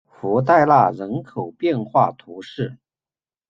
弗代纳人口变化图示